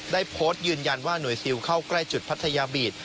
ได้โพสต์ยืนยันว่าหน่วยซิลเข้าใกล้จุดพัทยาบีต